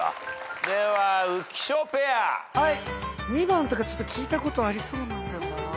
２番とかちょっと聞いたことありそうなんだよな。